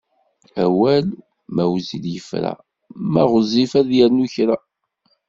Awal ma wezzil yefra, ma ɣezzif ad d-yernu kra.